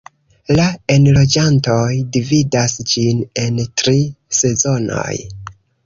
La enloĝantoj dividas ĝin en tri sezonoj.